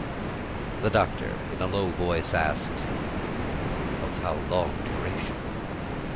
The Doctor, in a low voice, asked, "Of how long duration?"